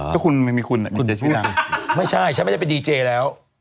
ก็คุณไม่มีคุณคุณจะชื่อนางไม่ใช่ฉันไม่ได้เป็นดีเจแล้ว